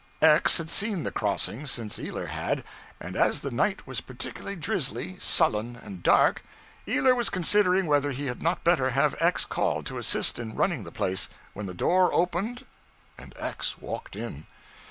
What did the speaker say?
X. had seen the crossing since Ealer had, and as the night was particularly drizzly, sullen, and dark, Ealer was considering whether he had not better have X. called to assist in running the place, when the door opened and X. walked in.